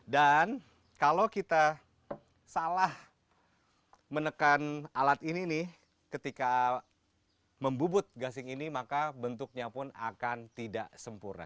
dan kalau kita salah menekan alat ini ketika membubut gasing ini maka bentuknya pun akan tidak sempurna